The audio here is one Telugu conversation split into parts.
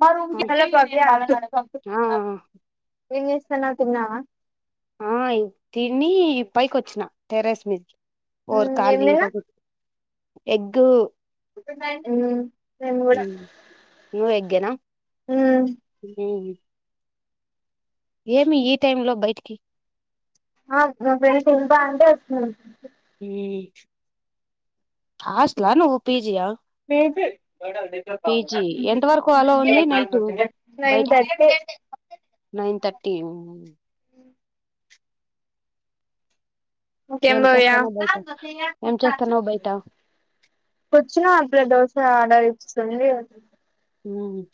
[unintelligible] హలో భవ్య ఆ ఏంచేస్తున్నారు తిన్నారా ఆ తిని పైకి వచ్చినా టెర్రస్ మీదకి ఓర్ మ్మ్ ఏం ఖాళీ [unintelligible] ఎగ్గు హ్మ్మ్ హ్మ్మ్ నువ్వు ఎగ్ గ్గేనా మ్మ్ హ్మ్మ్ ఏమి ఈ టైమ్ లో బయటికి ఆ అక్క వెళ్తూ ఉంటా అంటే వస్తుంది హ్మ్మ్ హాస్టలా నువ్వు పీ జి యా ఎంత లేదు వరకు అలో ఉంది నైట్ బయటికి నేను నైన్ థర్టీ [unintelligible] ఇంకేం ఏం చేస్తానో బయట ఏం చేస్తానో బయట [unintelligible] వచ్చినారు [unintelligible] [unintelligible] సంధి హ్మ్మ్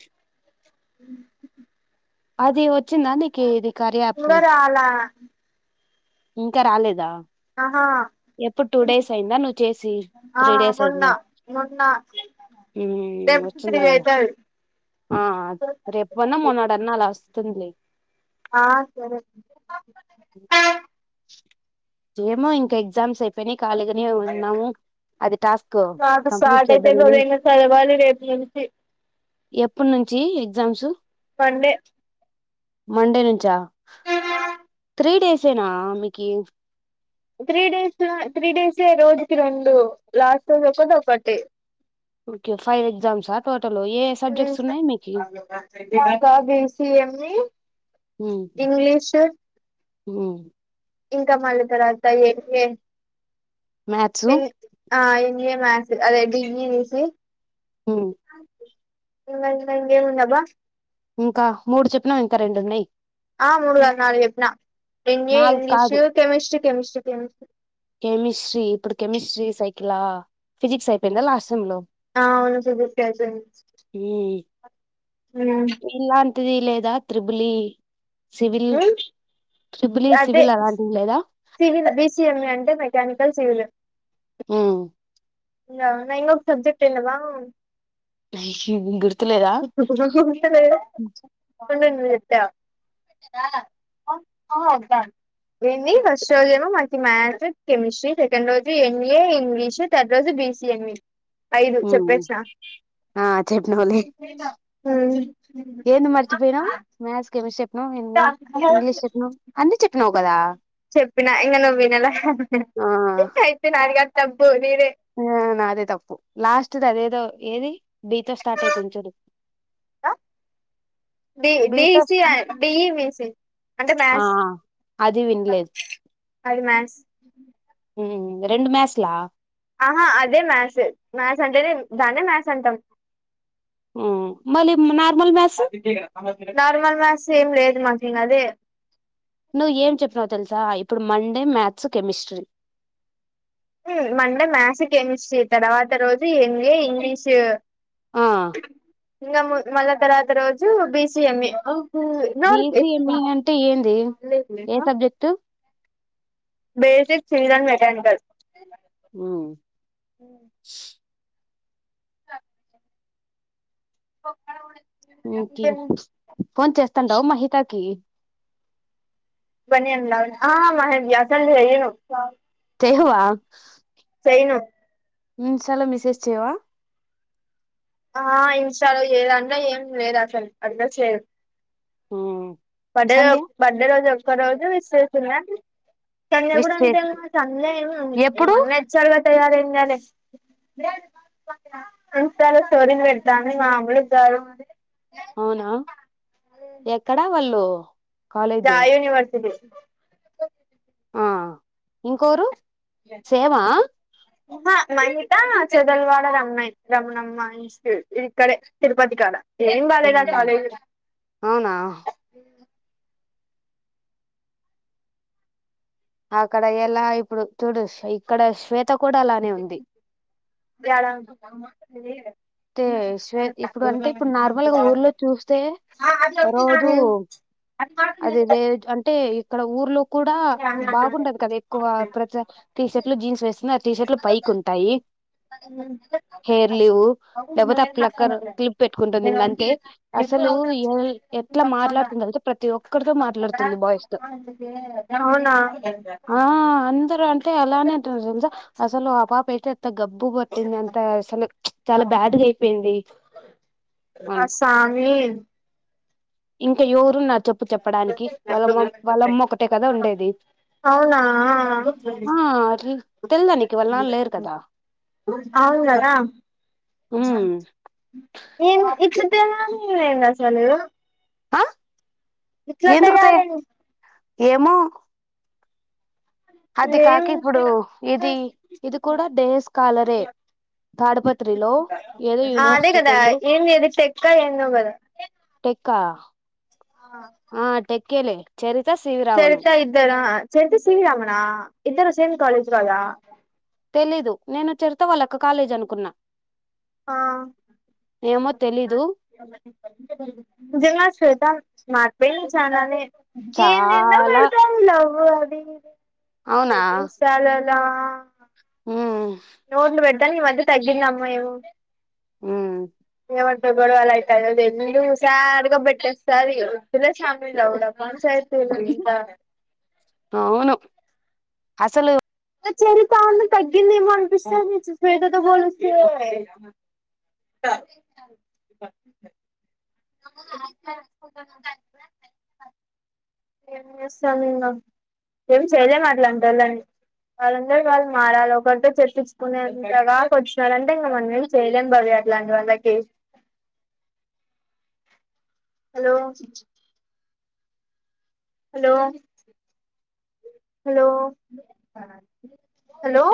మ్మ్ అదే వచ్చందనికి ఇది కార్య యాపూ ఇంకా రాలా ఇంకా రాలేదా ఆ ఎప్పుడు టూ డేస్ అయిందా నువ్వు చేసి ఆ త్రీ డేస్ మొన్న అయిందా మొన్న హ్మ్మ్ రేపు త్రీ వచ్చిందలి అయితది ఆ రేపు అన్నా మూన్నాడు అన్నా లాస్ట్. తునలే ఆ సరే ఏమో ఇంకా ఎగ్జామ్స్ ని ఖాళీగానే ఉన్నాము అది టాస్క్ నాకు కంప్లీట్ స్టార్ట్ అయితది చేద్దామని కదా ఇంగ చదవాలి రేపు నుంచి ఎప్పుటనుంచి. రోజు మండే మండే నుంచా త్రీ డేసేనా మీకి త్రీ డేస్ త్రీ డేస్ ఏ రోజుకి రెండు లాస్ట్ రోజు ఒకటి ఒకటి ఓకే ఫైవ్ ఎ్జమ్స్ ఆ టోటల్ ఏ సబ్జెక్ట్స్ ఉన్నాయి మీకి హ్మ్మ్ మాక B C M E English హ్మ్మ్ ఇంకా మళ్ళీ తరువాత మ్యాథ్స్ [unintelligible] [unintelligible] ఆ ఈ మాసి అదే ఢింగ తీసి [unintelligible] హ ఇంగ ఇంగ ఇంగెమ్ ఉందబ్బా ఇంకా మూడు చెప్పినవ్ ఇంకా రెండు ఉన్నాయి ఆ మూడు కాదు నాలుగు చెప్నా హిందీ, నాలుగు ఇంగ్లీీష్, కాదు కెమిస్ట్రి, కెమిస్ట్రీ, కెమిస్ట్రీ కెమిస్ట్రీ ఇప్పుడు కెమిస్ట్రీ సైకిలా ఫిజిక్స్ అయిపోయిందా లాస్ట్ సెమ్ లో అవును [unintelligible] సబ కతు ఇలా [unintelligible] అంత అది లేదా త్రిబులి సివిల్ ఉ ట్రిబుల్ ఈ అదే సివిల్ అలాంటివి లేదా సివిల్ బిసిఎంఈ అంటే మెకానికల్ సివిల్ హ నా ఇంొక సబ్జెక్ట్ ఎన్నవా [unintelligible] ష [unintelligible] చెప్పా ఏంది ఫస్ట్ రోజు ఏమో మనకి మ్యాథ్స్ కెమిస్ట్రీ సెకండ్ రోజు ఎంఈఏ ఇంగ్లీషు థర్డ్ రోజు బిసిఎంఈ ఉ ఆ చెప్పినవ్ లే ఏంది మర్చిపోయినవు మ్యాథ్స్ కెమిస్ట్రీ చెప్పినవ్ ఎమ్ ఈ ఎ ఇంగ్లీష్ చెప్పినవ్ అన్ని చెప్పినావు ప్పద [unintelligible] చెప్పినా ఇంకా నువ్వు వినలా ఆ అయితే నాది గాదు తప్పు నీదే ఆ నాదే తప్పు లాస్ట్ది అదేదో ఏది బి తో స్టార్ట్ అయితుంది చూడు డి బి డి తో డి ఈ బి సి ఆ అది విన్లేదు అది మ్యాథ్స్ రెండు మాథ్స్లా ఆహా అదే మ్యాథ్స్ మ్యాథ్స్ అంటేనే దాన్నే మ్యాథ్స్ అంటాం ఆ మలి నా అదితే కేక [unintelligible] నార్మల్ మ్యాథ్స్ ఏం లేదు మాకు ఇంక అదే నువ్వు ఏం చెప్పినవ్ తెలుసా ఇప్పుడు మండే మ్యాథ్స్ కెమిస్ట్రీ ఉ మండే మ్యాత్స్, కెమిస్ట్రీ తర్వాత రోజు ఎం ఎ ఇంగ్లీషు ఆ ఇంకా ము మళ్ళ తర్వాత రోజు BCME B C M E అంటే ఏంది ఏ subject basic civil and mechanical ఉ ఇ క ఫోన్ చేస్తాండవు మహితాకి [unintelligible] అస్సలు చేయను చేయవా చేయను ఇన్స్టా లో మేసేజ్ చేయవా ఆ ఇంస్టాలో ఏదంట్లో ఏం లేదు అసలు అట్లా చేయను ఉమ్ బర్త్డే రోజు బర్త్ డే రోజు ఒక రోజు విష్ చేసిన సంధ్య విష్ కూడా చేసుకో అంతేమ సంధ్య ఏమ ఎప్పుడు ఏమన్నా నచ్చాలి కద తయారయ్య అంతాల స్టోరీలు పెడతాని మా మామలు గారు అ అవునా ఎక్కడా వాళ్ళు ళ్ళు గా యూనివర్సిటీ ఆ ఇంకోరు సేమా ఆహా మన్మిత చెందలవాడ రమణయి రమణమ్మ ఇన్స్టిట్యూట్ ఇక్కడే తిరుపతి కాడ ఏం బాలేదంట కాలేజీ అవునా అక్కడ ఎలా ఇప్పుడు చూడు ఇక్కడ శ్వేత త్త కూడా అలానే ఉంది బే మా తే స్వేత ఇప్పుడు అంటే ఇప్పుడు నార్మల్గా ఊర్లో చూస్తే రోజు అది అంటే ఇక్కడ ఊర్లో కూడా బాగుంటది కదా ఎక్కువ ప్రతి టీ షర్ట్లు జీన్స్ వేస్తున్నా ఆ టీ షర్ట్లు పైకి ఉంటాయి హెయిర్ లీవు లేకపోతే అ ప్లక్కర్ క్లిప్ పెట్టుకుంటుంది ఇంక అంతే అసలు ఎ ఎట్లా ఉమ్ మాట్లాడుతుంది తెలుసా ప్రతి ఒక్కరితో మాట్లాడుతుంది బాయస్ తో అవునా ఆ అందరూ అంట అలానే అంటారు అసలు ఆ పాప అయితే గబ్బు కొట్టింది అంత అసలు చాలా బా ఆ సామి ఇంక ఎవరున్నారు చెప్పు చెప్పడానికి వాళ్ళమ్మ వాళ్ళమ్మ ఒకటే కదా ఉండేది అవునా ఆ తెలిదా నీకు వాళ్ళ నాన్న లేరు కదా అవును కదా ఉమ్ ఏం ఇట్లా తయారు అయ్యారు ఏంది అసలు ఆ ఇట్లా ఎందుకు తే తయారు ఏంది ఏమో అది ఏం కాక ఇప్పుడు ఇది ఇది కూడా డేస్ కాలరే తాడుపత్రిలో ఏదో అదే యూనివర్సిటీ కదా ఏం లేదు టెక్క ఏందో కదా టెక్క ఆ టెక్కేలే చెరి చరిత ఇద్దర చరిత సివి రమణ ఇద్దరు సేమ్ కాలేజ్ కాదా తెలీదు నేను చెరిత వాళ్ల అక్క కాలేజ్ అనుకున్నా ఆ ఏమో తెలీదు నిజంగా శ్వేత మార్పైంది చాలానే ఏందేందో చాలా పెడుతున్నావ్ ఓ అదే ఇదే అవునా అయిపోయింది సరెలే లా ఉమ్ నోడ్దు బడావ మద తగ్గిందమ్మ ఏమో మ్మ్ ంట కూడా అలా అవుతుది ఎందు సారిగా పెట్టేస్తారు తలా ఛామలులు ఉడా మసయతే అవును అసలు చరితను తగ్గిందేమో అనిపిస్తుంది సుశీలతో పోలిస్తే ఏ చేస్తాం ఇంగ ఏమి చేయలేం అట్లాంటి వాళ్లని వాళ్ళంతకి వాళ్ళు మారాలి ఒకరితో చెప్పించుకునేంతగా వచ్చినారంటే ఇంగా మనం ఏమి చేయలేం భవ్య అట్లాంటి వాళ్ళకి హలో హలో హలో హలో